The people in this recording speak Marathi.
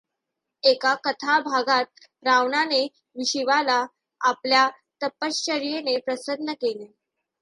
एका कथाभागांत रावणाने शिवाला आपल्या तपश्चर्येने प्रसन्न केले.